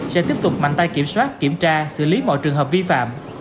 sẽ tiếp tục mạnh tay kiểm soát kiểm tra xử lý mọi trường hợp vi phạm